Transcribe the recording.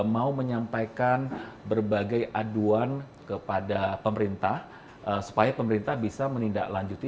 mau menyampaikan berbagai aduan kepada pemerintah supaya pemerintah bisa menindaklanjuti